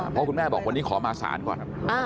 เพราะคุณแม่บอกวันนี้ขอมาศาลก่อน